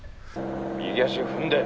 右足踏んで。